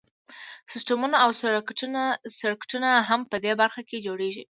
سیسټمونه او سرکټونه هم په دې برخه کې جوړیږي.